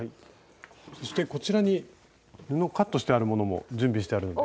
そしてこちらに布をカットしてあるものも準備してあるので。